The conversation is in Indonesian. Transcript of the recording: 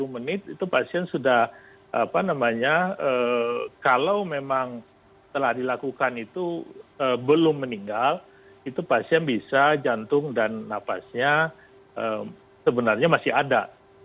sepuluh menit itu pasien sudah apa namanya kalau memang telah dilakukan itu belum meninggal itu pasien bisa jantung dan nafasnya sebenarnya masih ada